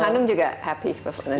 dan hanung juga happy